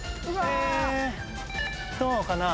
えどうかな？